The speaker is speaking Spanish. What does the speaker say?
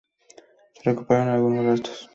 Se recuperaron algunos restos.